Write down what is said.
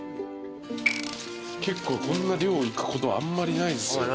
結構こんな量いくことあんまりないですよ。